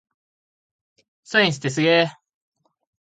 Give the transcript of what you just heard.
サイエンスってすげぇ